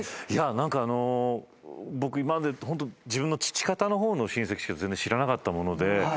何か僕今まで自分の父方のほうの親戚しか全然知らなかったもので。